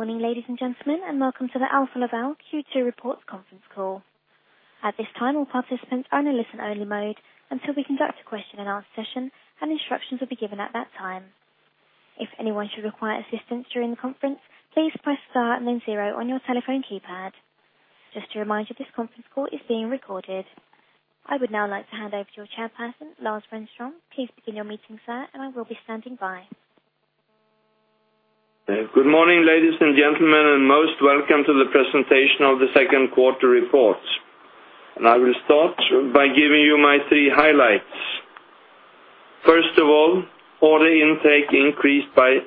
Morning, ladies and gentlemen, and welcome to the Alfa Laval Q2 reports conference call. At this time, all participants are in a listen-only mode until we conduct a question-and-answer session, and instructions will be given at that time. If anyone should require assistance during the conference, please press star and then zero on your telephone keypad. Just a reminder, this conference call is being recorded. I would now like to hand over to your Chairperson, Lars Renström. Please begin your meeting, sir, and I will be standing by. Good morning, ladies and gentlemen, and most welcome to the presentation of the second quarter reports. I will start by giving you my three highlights. First of all, order intake increased by 18%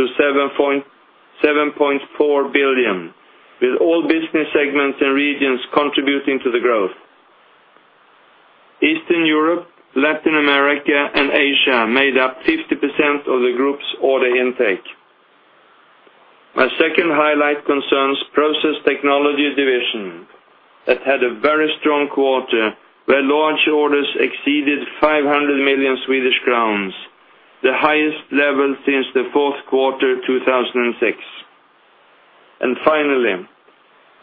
to 7.4 billion, with all business segments and regions contributing to the growth. Eastern Europe, Latin America, and Asia made up 50% of the group's order intake. My second highlight concerns the Process Technology division that had a very strong quarter where large orders exceeded 500 million Swedish crowns, the highest level since the fourth quarter 2006. Finally,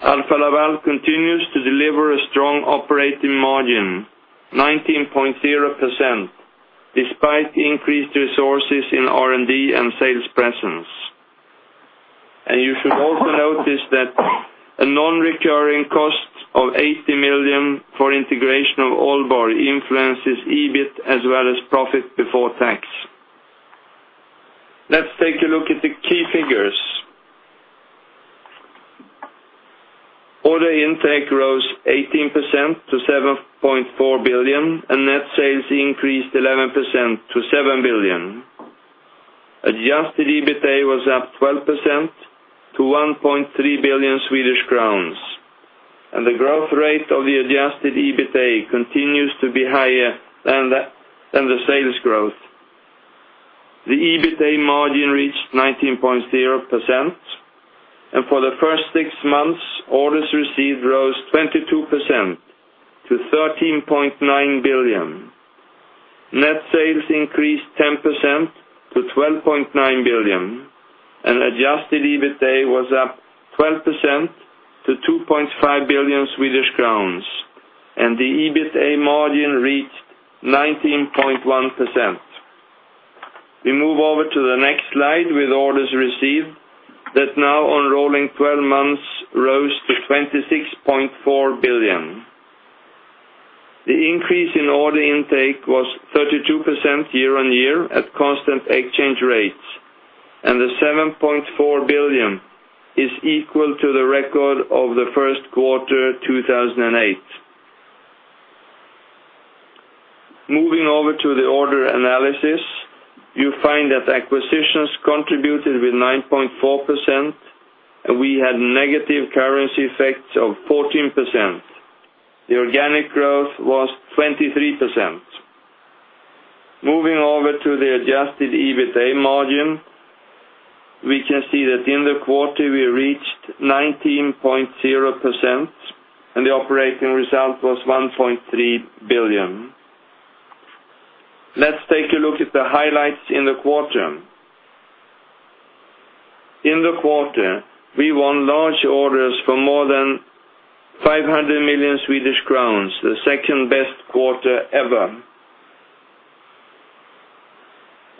Alfa Laval continues to deliver a strong operating margin, 19.0%, despite increased resources in R&D and sales presence. You should also notice that a non-recurring cost of 80 million for integration of Aalborg influences EBIT as well as profit before tax. Let's take a look at the key figures. Order intake rose 18% to 7.4 billion, and net sales increased 11% to 7 billion. Adjusted EBITDA was up 12% to 1.3 billion Swedish crowns, and the growth rate of the adjusted EBITDA continues to be higher than the sales growth. The EBITDA margin reached 19.0%, and for the first six months, orders received rose 22% to 13.9 billion. Net sales increased 10% to 12.9 billion, and adjusted EBITDA was up 12% to 2.5 billion Swedish crowns, and the EBITDA margin reached 19.1%. We move over to the next slide with orders received that now, on rolling 12 months, rose to 26.4 billion. The increase in order intake was 32% year-on-year at constant exchange rates, and the 7.4 billion is equal to the record of the first quarter 2008. Moving over to the order analysis, you find that acquisitions contributed with 9.4%, and we had negative currency effects of 14%. The organic growth was 23%. Moving over to the adjusted EBITDA margin, we can see that in the quarter, we reached 19.0%, and the operating result was 1.3 billion. Let's take a look at the highlights in the quarter. In the quarter, we won large orders for more than 500 million Swedish crowns, the second-best quarter ever.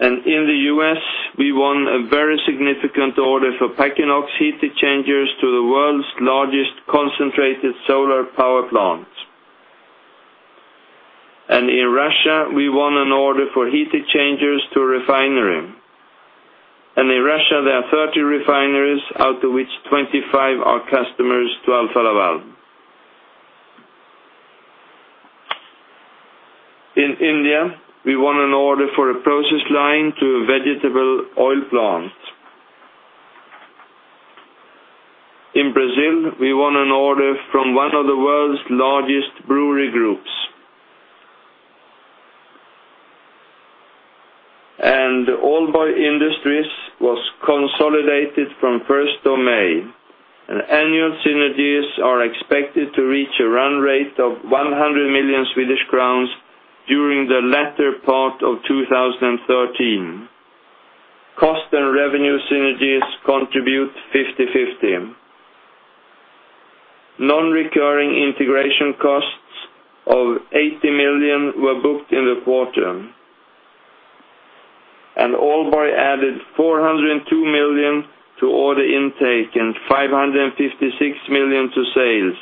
In the U.S., we won a very significant order for plate heat exchangers to the world's largest concentrated solar power plant. In Russia, we won an order for heat exchangers to a refinery. In Russia, there are 30 refineries, out of which 25 are customers to Alfa Laval. In India, we won an order for a process line to a vegetable oil plant. In Brazil, we won an order from one of the world's largest brewery groups. Aalborg Industries was consolidated from the first domain, and annual synergies are expected to reach a run rate of 100 million Swedish crowns during the latter part of 2013. Cost and revenue synergies contribute 50/50. Non-recurring integration costs of 80 million were booked in the quarter, and Aalborg added 402 million to order intake and 556 million to sales,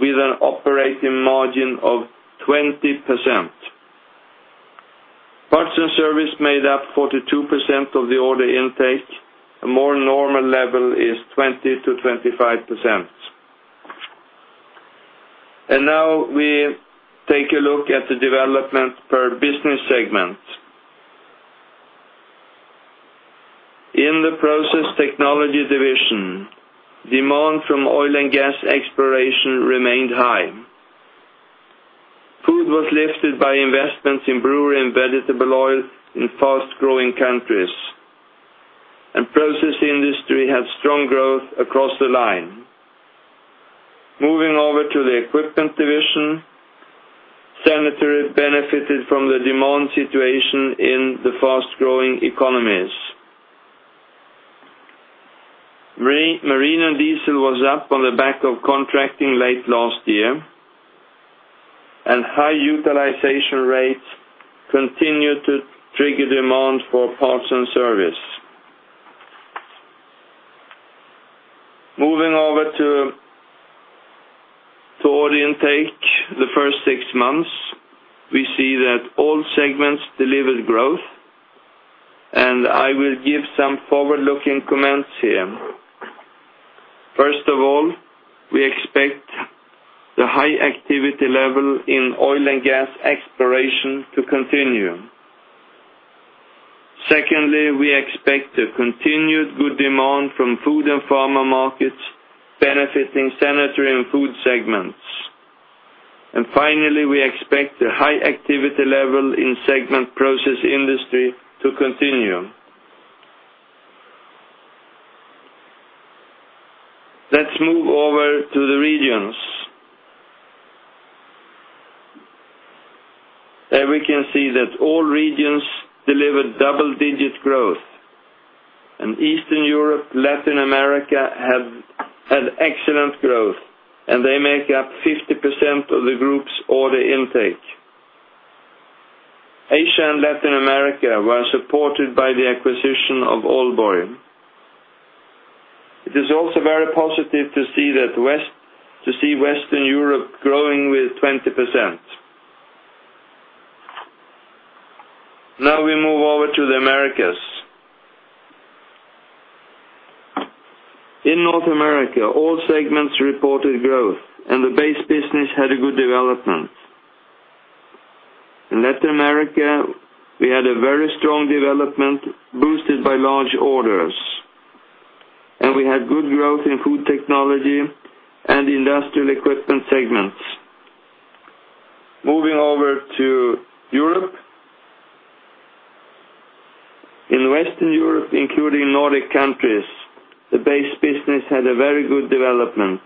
with an operating margin of 20%. Parts and service made up 42% of the order intake. A more normal level is 20%-25%. Now, we take a look at the development per business segment. In the Process Technology division, demand from oil and gas exploration remained high. Food was lifted by investments in brewing and vegetable oil in fast-growing countries, and the process industry had strong growth across the line. Moving over to the Equipment division, Sanitary benefited from the demand situation in the fast-growing economies. Marine and Diesel was up on the back of contracting late last year, and high utilization rates continue to trigger demand for parts and service. Moving over to order intake for the first six months, we see that all segments delivered growth, and I will give some forward-looking comments here. First of all, we expect the high activity level in oil and gas exploration to continue. We expect a continued good demand from Food and Pharma markets benefiting Sanitary and Food segments. Finally, we expect a high activity level in the segment Process Industry to continue. Let's move over to the regions. We can see that all regions delivered double-digit growth. Eastern Europe and Latin America have had excellent growth, and they make up 50% of the group's order intake. Asia and Latin America were supported by the acquisition of Aalborg. It is also very positive to see Western Europe growing with 20%. Now, we move over to the Americas. In North America, all segments reported growth, and the base business had a good development. In Latin America, we had a very strong development boosted by large orders, and we had good growth in Food Technology and Industrial Equipment segments. Moving over to Europe, in Western Europe, including Nordic countries, the base business had a very good development,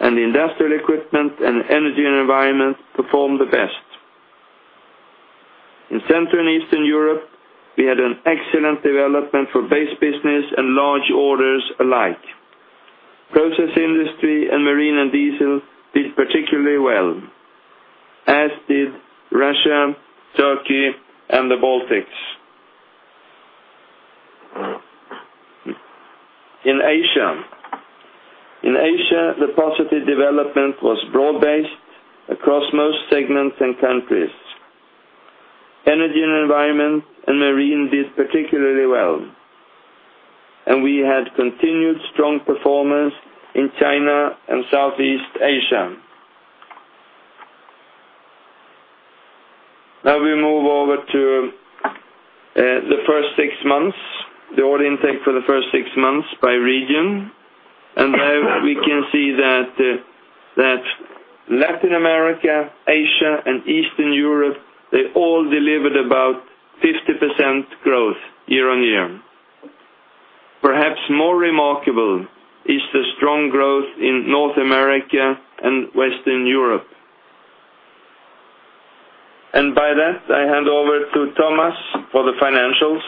and the Industrial Equipment and Energy and Environment performed the best. In Central and Eastern Europe, we had an excellent development for base business and large orders alike. Process Industry and Marine and Diesel did particularly well, as did Russia, Turkey, and the Baltics. In Asia, the positive development was broad-based across most segments and countries. Energy and environment and marine did particularly well, and we had continued strong performance in China and Southeast Asia. Now, we move over to the first six months, the order intake for the first six months by region. There, we can see that Latin America, Asia, and Eastern Europe, they all delivered about 50% growth year-on-year. Perhaps more remarkable is the strong growth in North America and Western Europe. By that, I hand over to Thomas for the financials.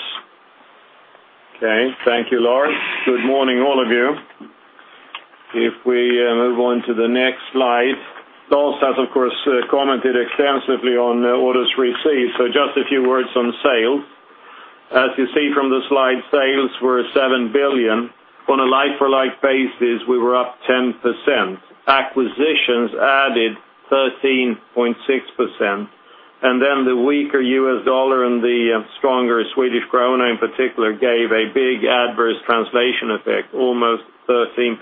Okay. Thank you, Lars. Good morning, all of you. If we move on to the next slide, Lars, that, of course, commented extensively on orders received. Just a few words on sales. As you see from the slide, sales were 7 billion. On a like-for-like basis, we were up 10%. Acquisitions added 13.6%. The weaker U.S. dollar and the stronger Swedish krona, in particular, gave a big adverse translation effect, almost 13%.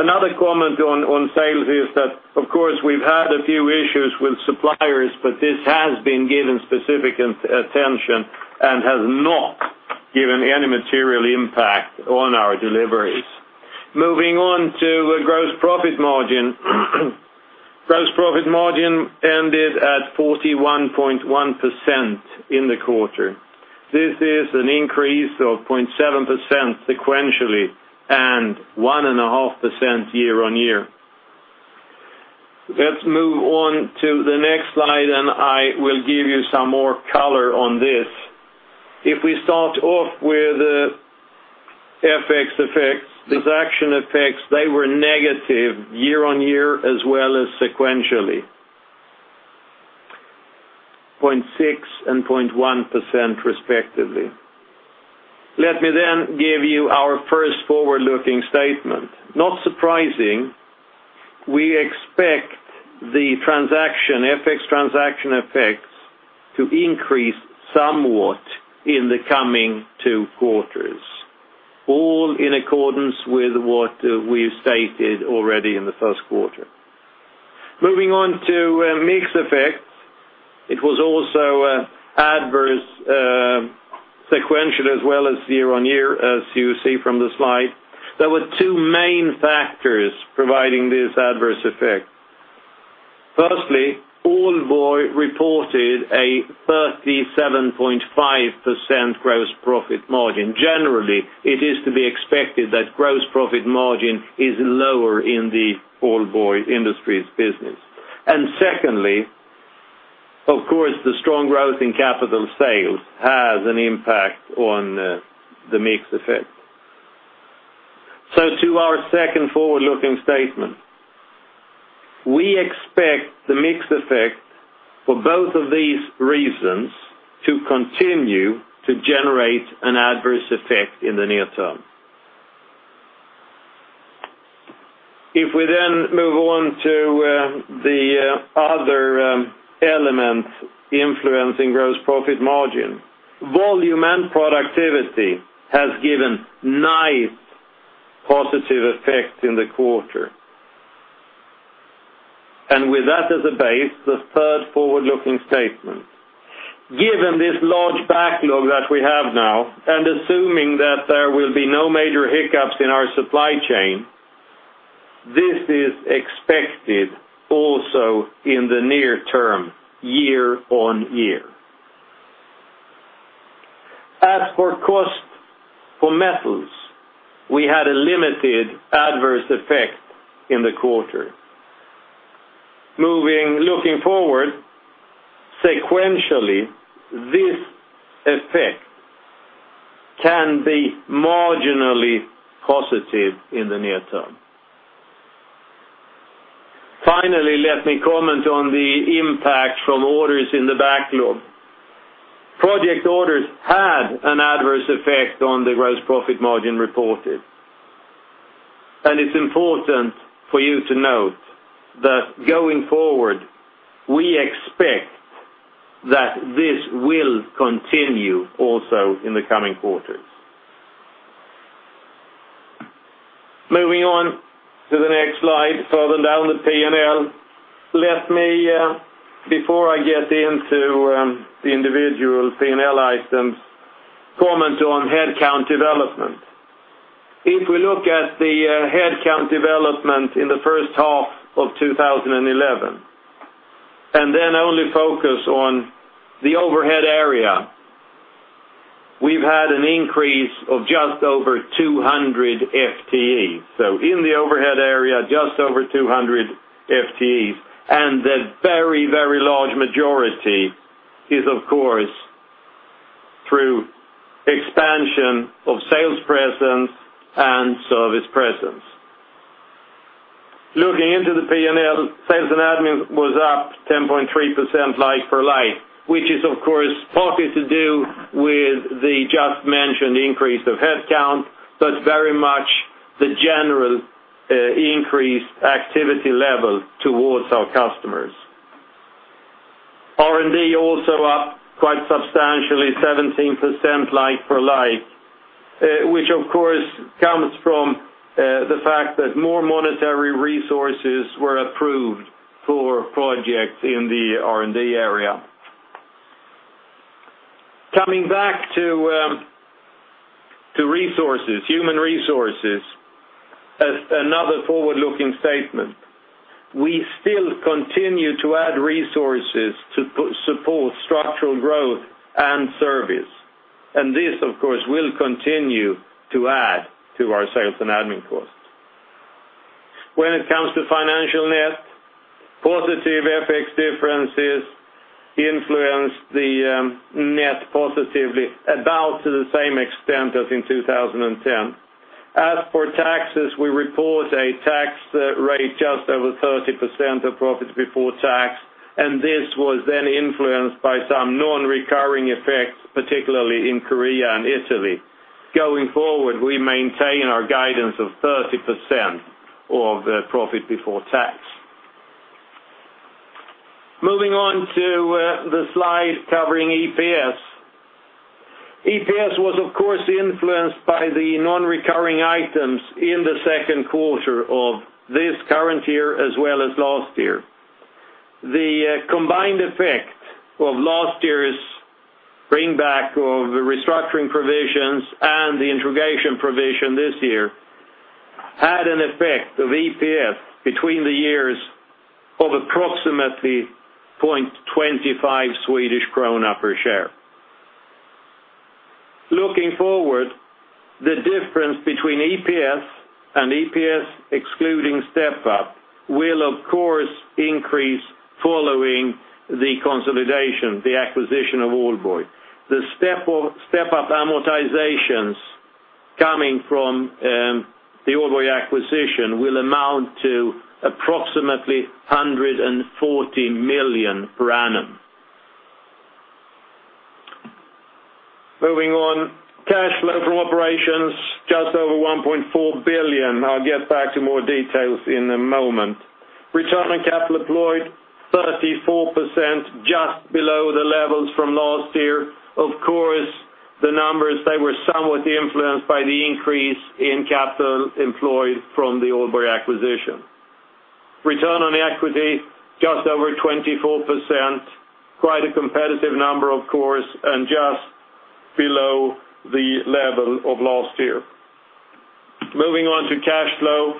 Another comment on sales is that, of course, we've had a few issues with suppliers, but this has been given specific attention and has not given any material impact on our deliveries. Moving on to gross profit margin, gross profit margin ended at 41.1% in the quarter. This is an increase of 0.7% sequentially and 1.5% year-on-year. Let's move on to the next slide, and I will give you some more color on this. If we start off with the FX effects, the transaction effects, they were negative year-on-year as well as sequentially, 0.6% and 0.1% respectively. Let me then give you our first forward-looking statement. Not surprising, we expect the FX transaction effects to increase somewhat in the coming two quarters, all in accordance with what we've stated already in the first quarter. Moving on to mix effects, it was also adverse sequentially as well as year-on-year, as you see from the slide. There were two main factors providing this adverse effect. Firstly, Aalborg reported a 37.5% gross profit margin. Generally, it is to be expected that gross profit margin is lower in the Aalborg Industries business. Secondly, the strong growth in capital sales has an impact on the mix effect. To our second forward-looking statement, we expect the mix effect for both of these reasons to continue to generate an adverse effect in the near term. If we then move on to the other element influencing gross profit margin, volume and productivity have given nice positive effects in the quarter. With that as a base, the third forward-looking statement, given this large backlog that we have now and assuming that there will be no major hiccups in our supply chain, this is expected also in the near term, year-on-year. As for cost for metals, we had a limited adverse effect in the quarter. Looking forward, sequentially, this effect can be marginally positive in the near term. Finally, let me comment on the impact from orders in the backlog. Project orders had an adverse effect on the gross profit margin reported. It is important for you to note that going forward, we expect that this will continue also in the coming quarters. Moving on to the next slide, further down the P&L, before I get into the individual P&L items, let me comment on headcount development. If we look at the headcount development in the first half of 2011 and then only focus on the overhead area, we've had an increase of just over 200 FTEs. In the overhead area, just over 200 FTEs. The very, very large majority is, of course, through expansion of sales presence and service presence. Looking into the P&L, sales and admin was up 10.3% like-for-like, which is, of course, partly to do with the just-mentioned increase of headcount. That's very much the general increased activity level towards our customers. R&D also up quite substantially, 17% like-for-like, which, of course, comes from the fact that more monetary resources were approved for projects in the R&D area. Coming back to human resources, another forward-looking statement, we still continue to add resources to support structural growth and service. This, of course, will continue to add to our sales and admin costs. When it comes to financial net, positive FX differences influence the net positively about to the same extent as in 2010. As for taxes, we report a tax rate just over 30% of profit before tax, and this was then influenced by some non-recurring effects, particularly in Korea and Italy. Going forward, we maintain our guidance of 30% of profit before tax. Moving on to the slide covering EPS. EPS was, of course, influenced by the non-recurring items in the second quarter of this current year as well as last year. The combined effect of last year's bring-back of restructuring provisions and the interrogation provision this year had an effect of EPS between the years of approximately 0.25 Swedish krona per share. Looking forward, the difference between EPS and EPS excluding step-up will, of course, increase following the consolidation, the acquisition of Aalborg. The step-up amortizations coming from the Aalborg acquisition will amount to approximately 140 million per annum. Moving on, cash flow for operations, just over 1.4 billion. I'll get back to more details in a moment. Return on capital employed, 34%, just below the levels from last year. Of course, the numbers, they were somewhat influenced by the increase in capital employed from the Aalborg acquisition. Return on equity, just over 24%. Quite a competitive number, of course, and just below the level of last year. Moving on to cash flow,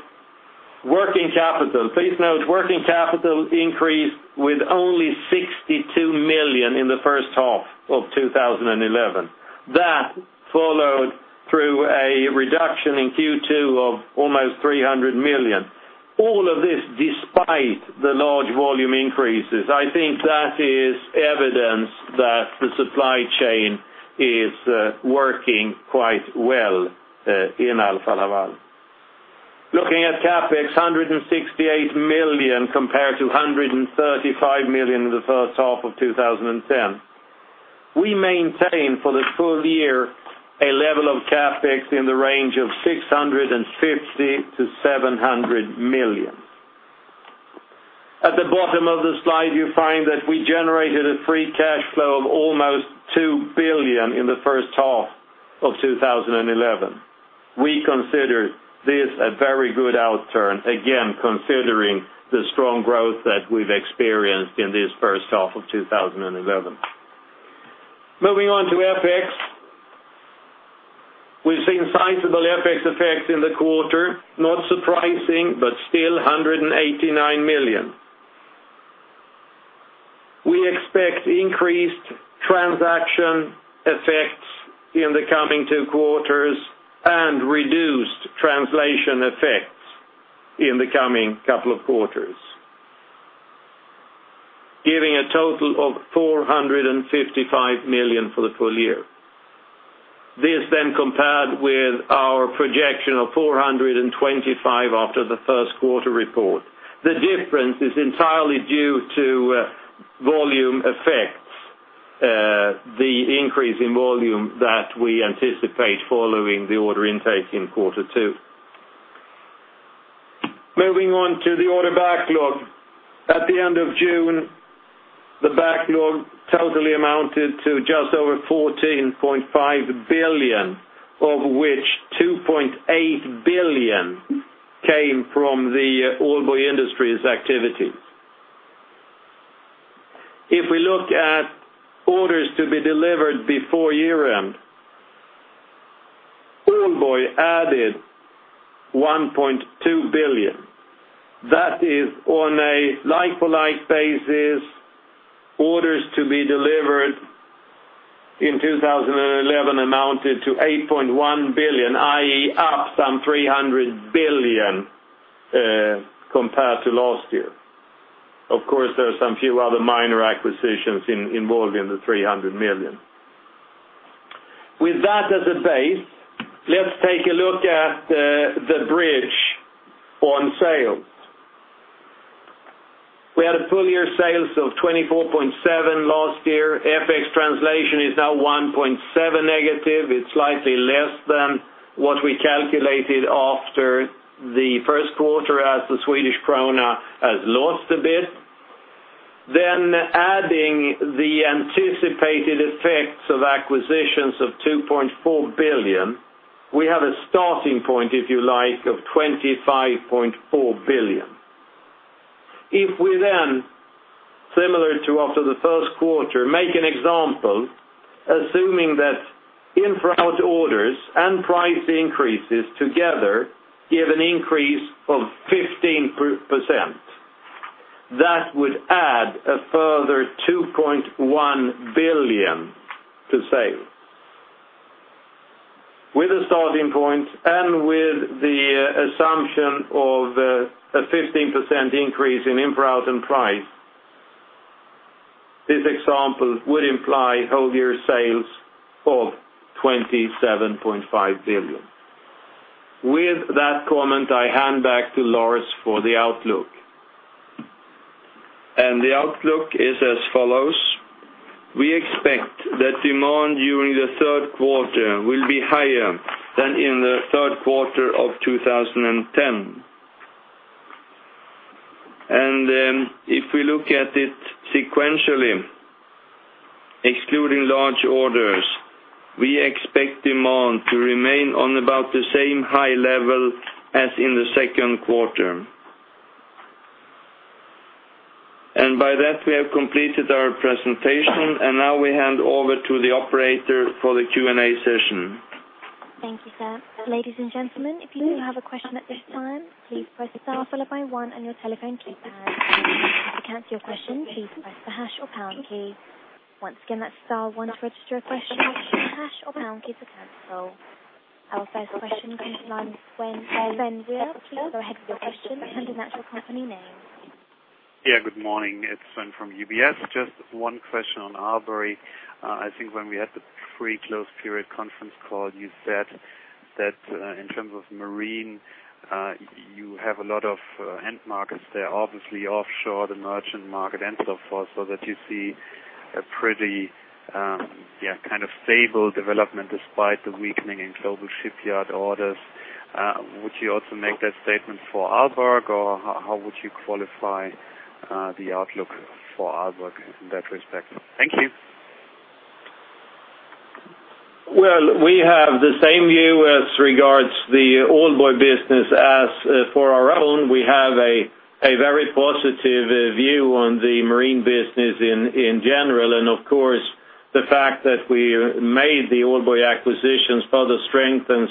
working capital. Please note, working capital increased with only 62 million in the first half of 2011. That followed through a reduction in Q2 of almost 300 million. All of this despite the large volume increases. I think that is evidence that the supply chain is working quite well in Alfa Laval. Looking at CapEx, 168 million compared to 135 million in the first half of 2010. We maintained for the full year a level of CapEx in the range of 650 million-700 million. At the bottom of the slide, you find that we generated a free cash flow of almost 2 billion in the first half of 2011. We considered this a very good outturn, again, considering the strong growth that we've experienced in this first half of 2011. Moving on to FX, we've seen sizable FX effects in the quarter. Not surprising, but still 189 million. We expect increased transaction effects in the coming two quarters and reduced translation effects in the coming couple of quarters, giving a total of 455 million for the full year. This then compared with our projection of 425 million after the first quarter report. The difference is entirely due to volume effects, the increase in volume that we anticipate following the order intake in quarter two. Moving on to the order backlog, at the end of June, the backlog totally amounted to just over 14.5 billion, of which 2.8 billion came from the Aalborg Industries activity. If we look at orders to be delivered before year-end, Aalborg added 1.2 billion. That is, on a like-for-like basis, orders to be delivered in 2011 amounted to 8.1 billion, i.e., up some 300 million compared to last year. Of course, there are some few other minor acquisitions involved in the 300 million. With that as a base, let's take a look at the bridge on sales. We had a full-year sales of 24.7 billion last year. FX translation is now 1.7 billion It's slightly less than what we calculated after the first quarter as the Swedish krona has lost a bit. Adding the anticipated effects of acquisitions of 2.4 billion, we have a starting point, if you like, of 25.4 billion. If we then, similar to after the first quarter, make an example, assuming that in-for-out orders and price increases together give an increase of 15%, that would add a further 2.1 billion to sales. With a starting point and with the assumption of a 15% increase in in-for-out and price, this example would imply whole-year sales of 27.5 billion. With that comment, I hand back to Lars for the outlook. The outlook is as follows: we expect that demand during the third quarter will be higher than in the third quarter of 2010. If we look at it sequentially, excluding large orders, we expect demand to remain on about the same high level as in the second quarter. By that, we have completed our presentation, and now we hand over to the operator for the Q&A session. Thank you, sir. Ladies and gentlemen, if you do have a question at this time, please press the star followed by one on your telephone keypad. To cancel your session, please press the hash or pound key. Once again, that's star one to register, requesting option hash or pound key to cancel. Our first question comes from Sven Weier, please go ahead with your question, attending that to the company name. Good morning. It's Sven from UBS. Just one question on Aalborg. I think when we had the pre-close period conference call, you said that in terms of marine, you have a lot of end markets there, obviously offshore, the merchant market, and so forth, so that you see a pretty, yeah, kind of stable development despite the weakening in global shipyard orders. Would you also make that statement for Aalborg, or how would you qualify the outlook for Aalborg in that respect? Thank you. We have the same view with regards to the Aalborg business as for our own. We have a very positive view on the marine business in general. Of course, the fact that we made the Aalborg acquisitions further strengthens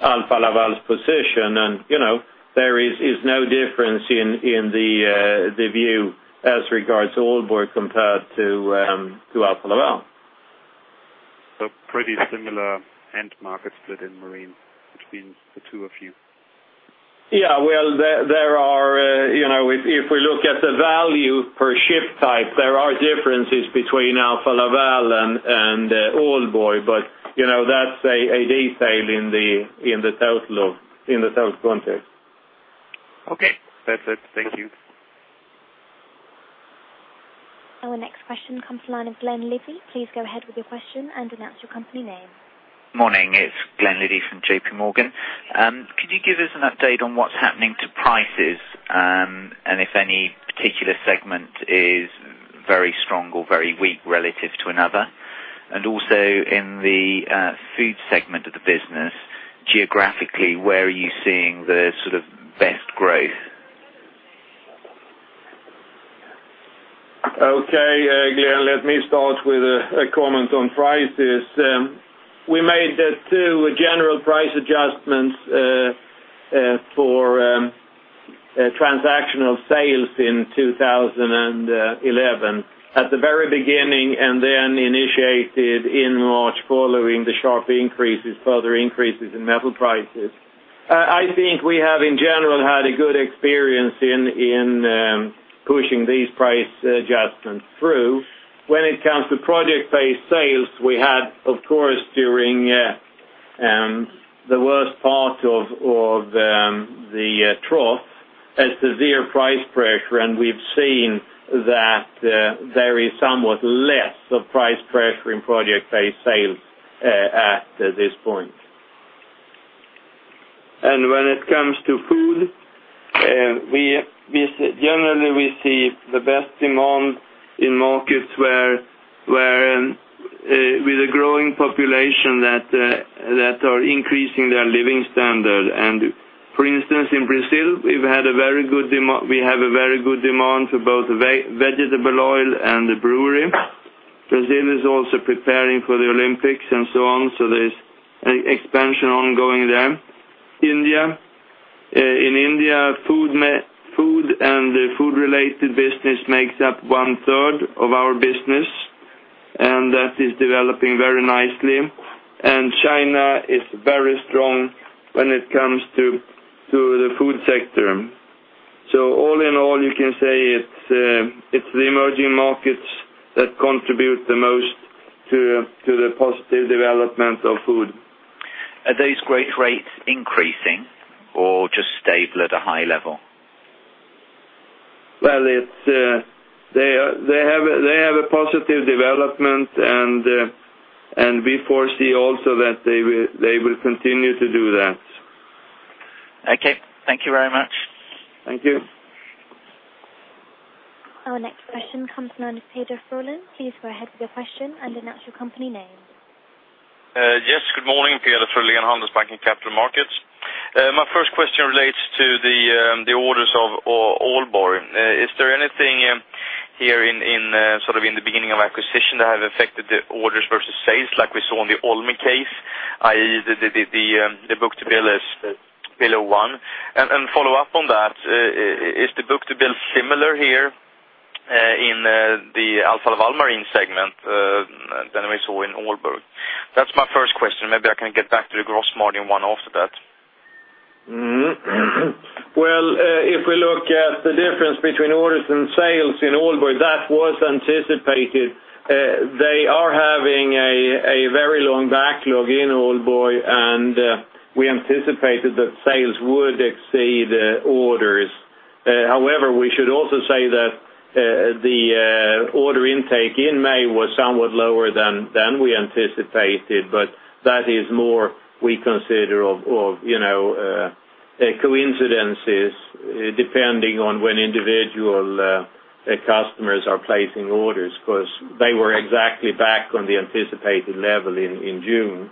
Alfa Laval's position. You know, there is no difference in the view as regards to Aalborg compared to Alfa Laval. Pretty similar end market split in marine between the two of you. Yeah. If we look at the value per ship type, there are differences between Alfa Laval and Aalborg, but that's a detail in the total context. Okay, that's it. Thank you. Our next question comes to the line of Glen Liddy. Please go ahead with your question and announce your company name. Morning. It's Glen Liddy from JPMorgan. Could you give us an update on what's happening to prices, and if any particular segment is very strong or very weak relative to another? Also, in the food segment of the business, geographically, where are you seeing the sort of best growth? Okay. Glen, let me start with a comment on prices. We made that too, a general price adjustment for transactional sales in 2011 at the very beginning, and then initiated in March following the sharp further increases in metal prices. I think we have, in general, had a good experience in pushing these price adjustments through. When it comes to project-based sales, we had, of course, during the worst part of the trough, zero price pressure, and we've seen that there is somewhat less of price pressure in project-based sales at this point. When it comes to food, generally, we see the best demand in markets with a growing population that are increasing their living standard. For instance, in Brazil, we've had a very good demand. We have a very good demand for both vegetable oil and the brewery. Brazil is also preparing for the Olympics and so on, so there's an expansion ongoing there. In India, food and the food-related business makes up one-third of our business, and that is developing very nicely. China is very strong when it comes to the food sector. All in all, you can say it's the emerging markets that contribute the most to the positive development of food. Are these growth rates increasing or just stable at a high level? They have a positive development, and we foresee also that they will continue to do that. Okay, thank you very much. Thank you. Our next question comes to the line of Peder Frölen. Please go ahead with your question and announce your company name. Yes. Good morning. Peder Frölen in Handelsbanken Capital Markets. My first question relates to the orders of Aalborg. Is there anything here in sort of in the beginning of acquisition that have affected the orders versus sales like we saw in the Olmi case, i.e., the book-to-bill is below 1? A follow up on that, is the book-to-bill similar here in the Alfa Laval marine segment than we saw in Aalborg? That's my first question. Maybe I can get back to the gross margin one after that. If we look at the difference between orders and sales in Aalborg, that was anticipated. They are having a very long backlog in Aalborg, and we anticipated that sales would exceed orders. However, we should also say that the order intake in May was somewhat lower than we anticipated, but that is more we consider coincidences depending on when individual customers are placing orders because they were exactly back on the anticipated level in June.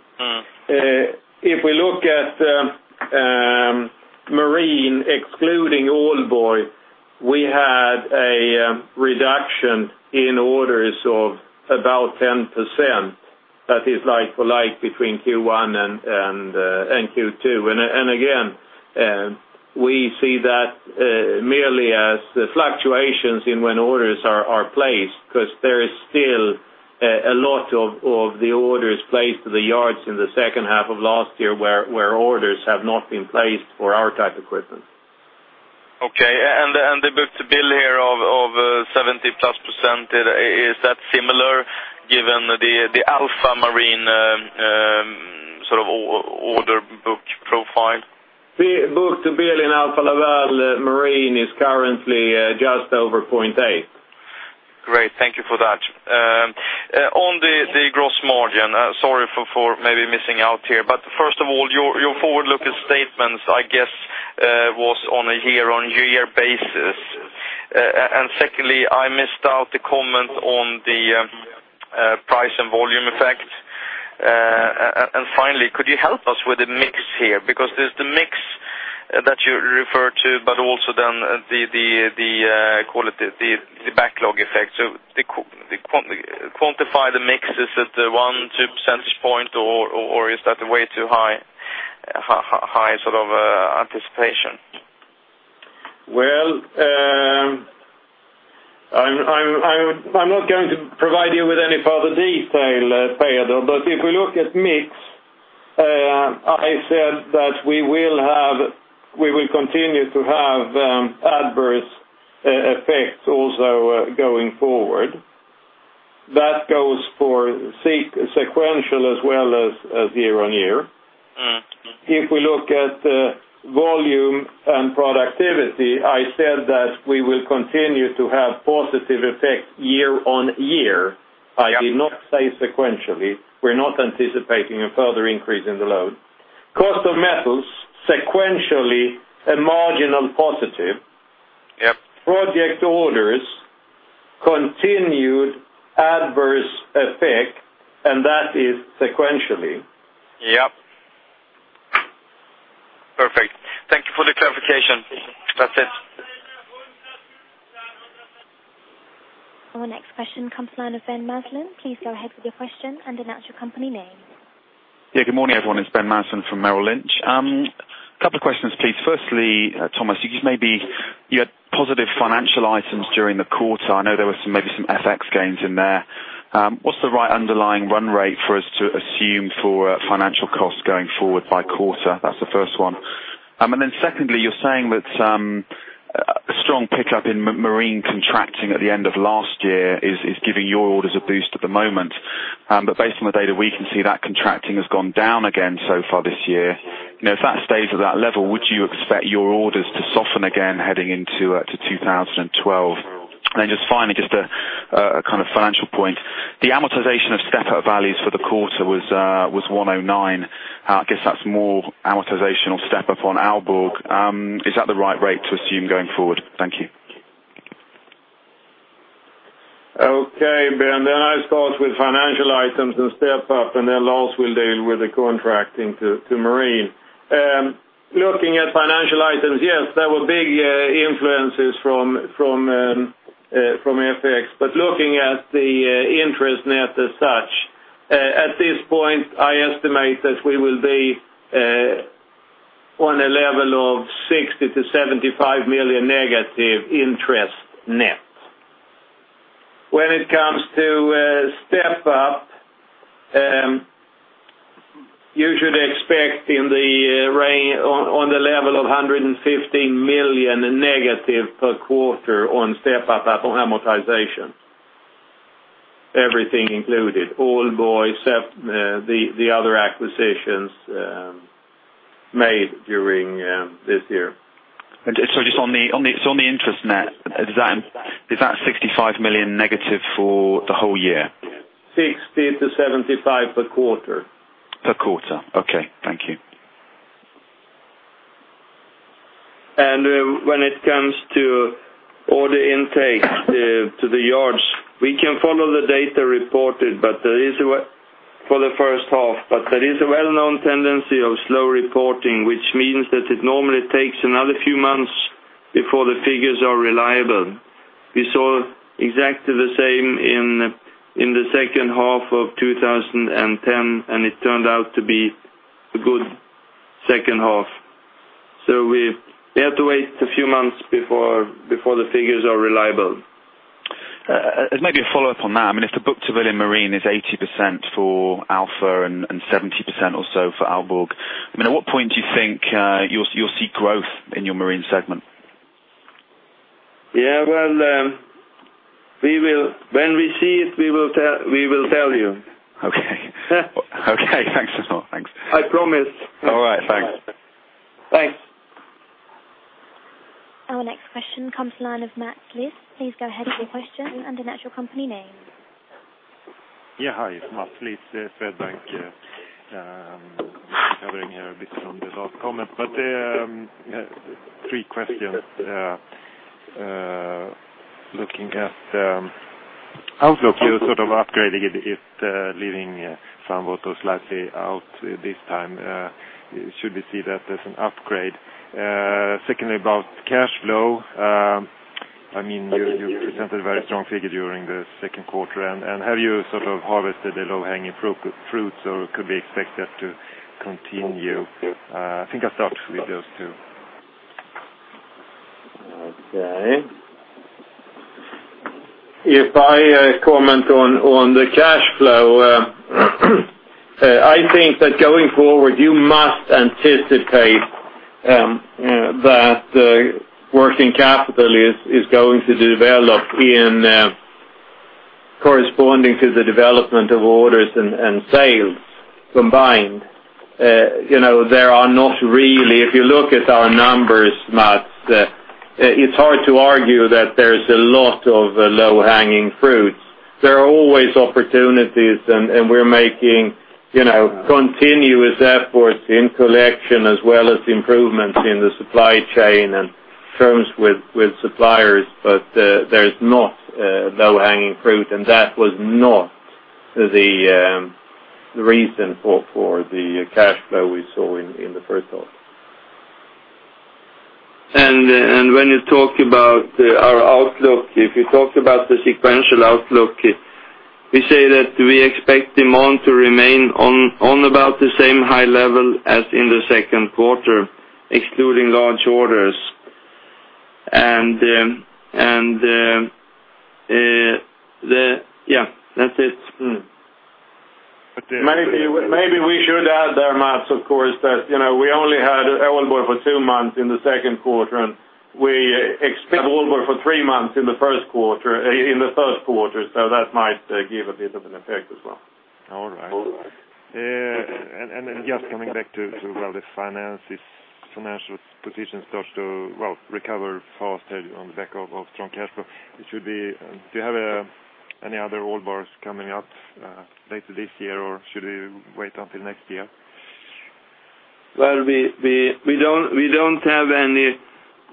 If we look at marine, excluding Aalborg, we had a reduction in orders of about 10%. That is like-for-like between Q1 and Q2. Again, we see that merely as the fluctuations in when orders are placed because there is still a lot of the orders placed to the yards in the second half of last year where orders have not been placed for our type of equipment. Okay. The book-to-bill here of 70%+, is that similar given the Alfa Laval marine sort of order book profile? The book-to-bill in Alfa Laval marine is currently just over 0.8%. Great. Thank you for that. On the gross profit margin, sorry for maybe missing out here, but first of all, your forward-looking statements, I guess, were on a year-on-year basis. Secondly, I missed out the comment on the price and volume effect. Finally, could you help us with the mix here? Because there's the mix that you refer to, but also the backlog effect. Quantify the mix. Is it the 1%-2% point, or is that way too high sort of anticipation? I'm not going to provide you with any further detail, Peter, but if we look at mix, I said that we will have, we will continue to have adverse effects also going forward. That goes for sequential as well as year-on-year. If we look at volume and productivity, I said that we will continue to have positive effects year-on-year. I did not say sequentially. We're not anticipating a further increase in the load. Cost of metals, sequentially, a marginal positive. Project orders, continued adverse effect, and that is sequentially. Yep. Perfect. Thank you for the clarification. That's it. Our next question comes to the line of Ben Maslen. Please go ahead with your question and announce your company name. Yeah. Good morning, everyone. It's Ben Maslen from Merrill Lynch. A couple of questions, please. Firstly, Thomas, you gave maybe you had positive financial items during the quarter. I know there were some maybe some FX gains in there. What's the right underlying run rate for us to assume for financial costs going forward by quarter? That's the first one. Secondly, you're saying that a strong pickup in marine contracting at the end of last year is giving your orders a boost at the moment. Based on the data, we can see that contracting has gone down again so far this year. If that stays at that level, would you expect your orders to soften again heading into 2012? Finally, just a kind of financial point. The amortization of step-up values for the quarter was 109 million. I guess that's more amortization or step-up on Aalborg. Is that the right rate to assume going forward? Thank you. Okay, Ben. I start with financial items and step up, and then last, we'll deal with the contracting to marine. Looking at financial items, yes, there were big influences from FX. Looking at the interest net as such, at this point, I estimate that we will be on a level of 60 million to -75 million interest net. When it comes to step up, you should expect on the level of -115 million per quarter on step up amortization, everything included, Aalborg, the other acquisitions made during this year. Is that -65 million for the whole year on the interest net? 60- 75 per quarter. Per quarter. Okay. Thank you. When it comes to order intake to the yards, we can follow the data reported, but that is for the first half. There is a well-known tendency of slow reporting, which means that it normally takes another few months before the figures are reliable. We saw exactly the same in the second half of 2010, and it turned out to be a good second half. We have to wait a few months before the figures are reliable. There's maybe a follow-up on that. I mean, if the book-to-bill in marine is 80% for Alfa and 70% or so for Aalborg, I mean, at what point do you think you'll see growth in your marine segment? When we see it, we will tell you. Okay. Thanks for the thought. Thanks. I promise. All right, thanks. Thanks. Our next question comes to the line of [Matt Fliss]. Please go ahead with your question and announce your company name. Yeah. Hi. [Matt Fliss], FedBank. Gathering here a bit from the last comment. Three questions. Looking at Outlook, you're sort of upgrading it, leaving some of those likely out this time. Should we see that as an upgrade? Secondly, about cash flow, I mean, you presented a very strong figure during the second quarter. Have you sort of harvested the low-hanging fruits, or could we expect that to continue? I think I'll start with those two. Okay. If I comment on the cash flow, I think that going forward, you must anticipate that working capital is going to develop corresponding to the development of orders and sales combined. You know, there are not really, if you look at our numbers, Matt, it's hard to argue that there's a lot of low-hanging fruits. There are always opportunities, and we're making continuous efforts in collection as well as improvements in the supply chain and firms with suppliers. There's not a low-hanging fruit, and that was not the reason for the cash flow we saw in the first half. When you talk about our outlook, if you talk about the sequential outlook, we say that we expect demand to remain on about the same high level as in the second quarter, excluding large orders. Yeah, that's it. Maybe we should add there, Matt, of course, that you know we only had Aalborg for two months in the second quarter, and we expect Aalborg for three months in the third quarter, so that might give a bit of an effect as well. All right. All right. Just coming back to sort of the financial position, it starts to recover faster on the back of strong cash flow. Do you have any other Aalborgs coming up later this year, or should we wait until next year? We don't have any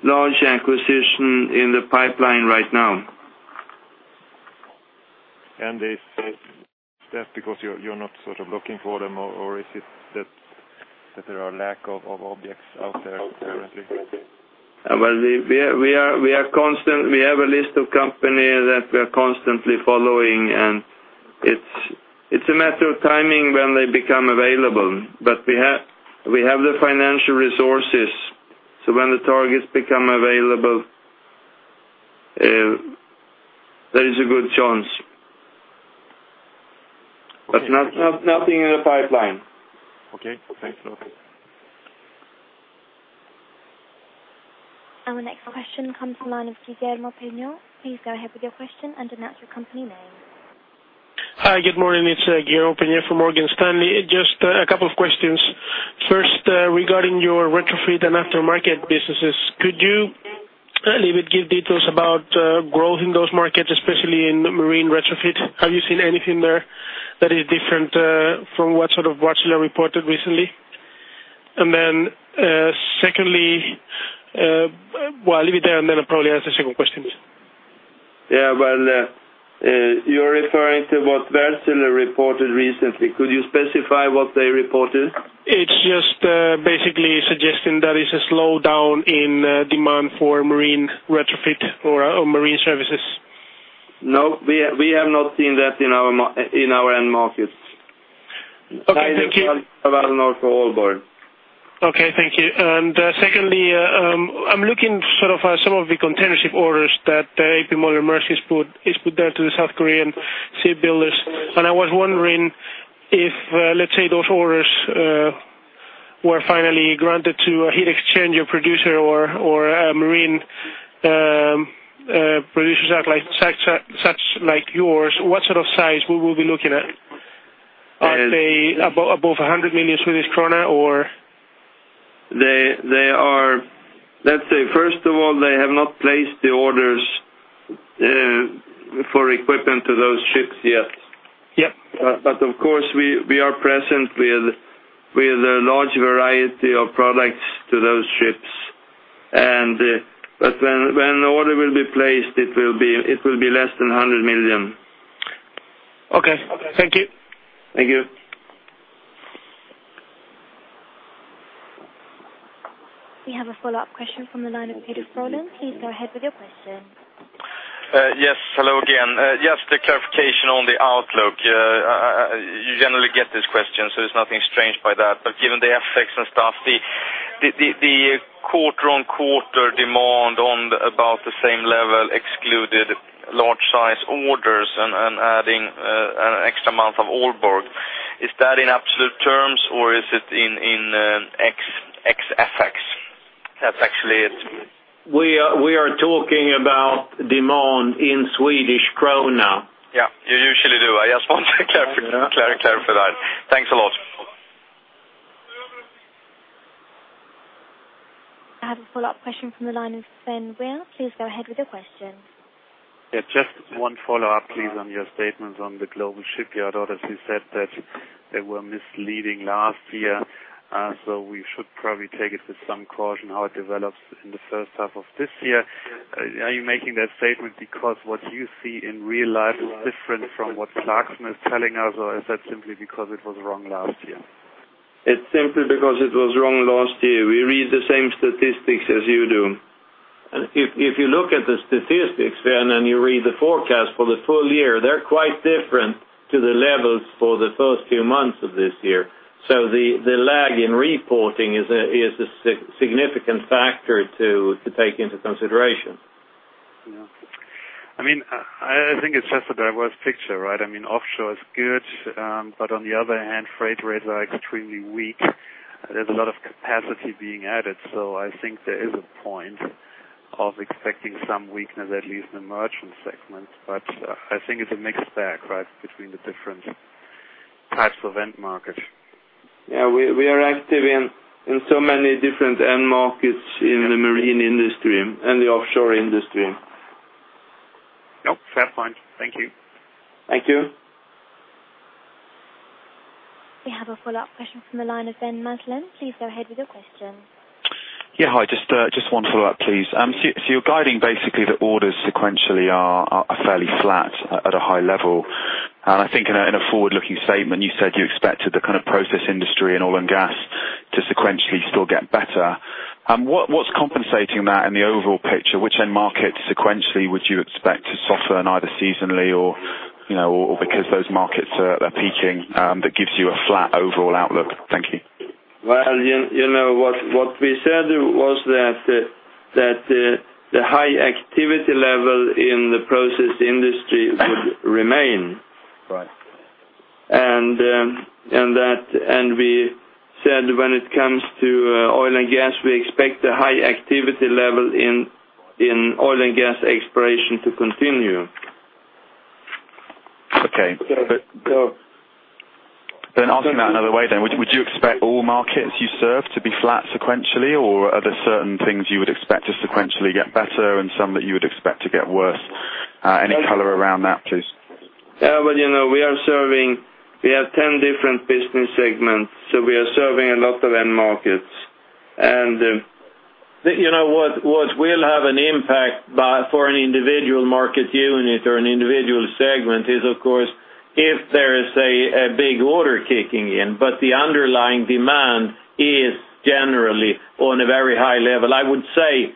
large acquisition in the pipeline right now. Is that because you're not sort of looking for them, or is it that there are a lack of objects out there currently? We are constant. We have a list of companies that we are constantly following, and it's a matter of timing when they become available. We have the financial resources. When the targets become available, there is a good chance. Nothing in the pipeline. Okay. Okay. Our next question comes to the line of [Guillermo Puno]. Please go ahead with your question and announce your company name. Hi. Good morning. It's [Guillermo Puno] from Morgan Stanley. Just a couple of questions. First, regarding your retrofit and aftermarket businesses, could you give details about growth in those markets, especially in marine retrofit? Have you seen anything there that is different from what sort of Watchler reported recently? Secondly, I'll leave it there, and then I'll probably ask the second question. You're referring to what Watchler reported recently. Could you specify what they reported? It's just basically suggesting that it's a slowdown in demand for marine retrofit or marine services. No, we have not seen that in our end markets. Okay, thank you. Not for Aalborg. Okay. Thank you. Secondly, I'm looking at some of the container ship orders that A.P. Moller-Maersk has put to the South Korean shipbuilders. I was wondering if, let's say, those orders were finally granted to a heat exchanger producer or a marine producer such as yours, what sort of size would we be looking at? Are they above 100 million Swedish krona, or? First of all, they have not placed the orders for equipment to those ships yet. Of course, we are present with a large variety of products to those ships. When the order will be placed, it will be less than 100 million. Okay. Thank you. Thank you. We have a follow-up question from the line of Peter Fröhling. Please go ahead with your question. Yes. Hello again. Yes. The clarification on the Outlook. You generally get this question, so there's nothing strange by that. Given the FX and stuff, the quarter-on-quarter demand on about the same level, excluding large-size orders and adding an extra amount of Aalborg, is that in absolute terms, or is it in ex-FX? That's actually it. We are talking about demand in SEK. Yeah, you usually do. I just want to clarify that. Thanks a lot. I have a follow-up question from the line of Sven Weier. Please go ahead with your question. Yeah. Just one follow-up, please, on your statements on the global shipyard orders. You said that they were misleading last year, so we should probably take it with some caution how it develops in the first half of this year. Are you making that statement because what you see in real life is different from what Slagsma is telling us, or is that simply because it was wrong last year? It's simply because it was wrong last year. We read the same statistics as you do. If you look at the statistics there and then you read the forecast for the full year, they're quite different to the levels for the first few months of this year. The lag in reporting is a significant factor to take into consideration. Yeah, I mean, I think it's just a diverse picture, right? I mean, offshore is good, but on the other hand, freight rates are extremely weak. There's a lot of capacity being added. I think there is a point of expecting some weakness, at least in the merchant segment. I think it's a mixed bag, right, between the different types of end markets. We are active in so many different end markets in the marine industry and the offshore industry. Fair point. Thank you. Thank you. We have a follow-up question from the line of Ben Marslin. Please go ahead with your question. Hi. Just one follow-up, please. You're guiding basically the orders sequentially are fairly flat at a high level. I think in a forward-looking statement, you said you expected the kind of process industry and oil and gas to sequentially still get better. What's compensating that in the overall picture? Which end market sequentially would you expect to soften either seasonally or because those markets are peaking? That gives you a flat overall outlook. Thank you. What we said was that the high activity level in the process industries would remain. We said when it comes to oil and gas, we expect the high activity level in oil and gas exploration to continue. Okay. In other way then, would you expect all markets you serve to be flat sequentially, or are there certain things you would expect to sequentially get better and some that you would expect to get worse? Any color around that, please. You know we are serving, we have 10 different business segments, so we are serving a lot of end markets. What will have an impact for an individual market unit or an individual segment is, of course, if there is a big order kicking in. The underlying demand is generally on a very high level, I would say,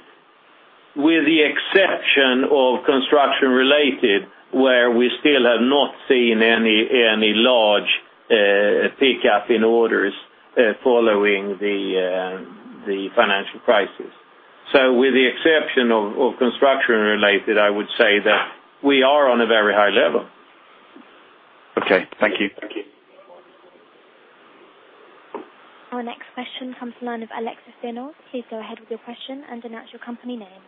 with the exception of construction-related, where we still have not seen any large pickup in orders following the financial crisis. With the exception of construction-related, I would say that we are on a very high level. Okay, thank you. Our next question comes to the line of [Alexis Zinov.] Please go ahead with your question and announce your company name.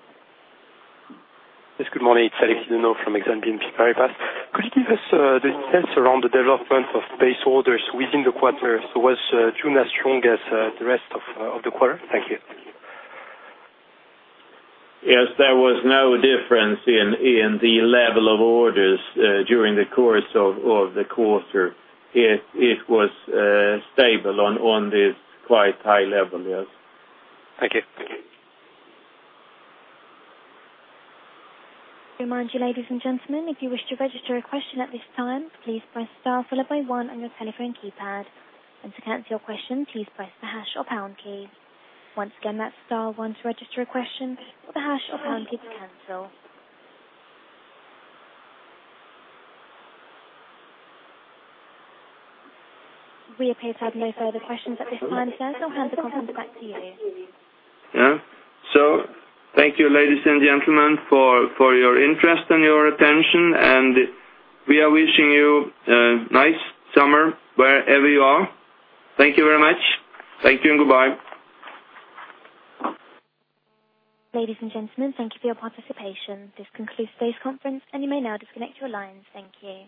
Yes. Good morning. It's [Alexis Zinov] from BNP Paribas Exane. Could you give us the details around the development of base orders within the quarter? Was June as strong as the rest of the quarter? Thank you. Yes, there was no difference in the level of orders during the course of the quarter. It was stable on this quite high level, yes. Thank you. Thank you. Good morning, ladies and gentlemen. If you wish to register a question at this time, please press star followed by one on your telephone keypad. To cancel your question, please press the hash or pound key. Once again, that's star one to register a question, the hash or pound key to cancel. We appear to have no further questions at this time, sir. I'll hand the conference back to you. Thank you, ladies and gentlemen, for your interest and your attention. We are wishing you a nice summer wherever you are. Thank you very much. Thank you and goodbye. Ladies and gentlemen, thank you for your participation. This concludes today's conference, and you may now disconnect your lines. Thank you.